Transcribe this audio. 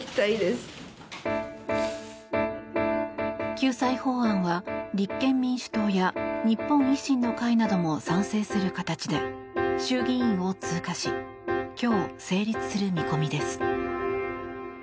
救済法案は立憲民主党や日本維新の会なども賛成する形で衆議院を通過し今日、成立する見込みです。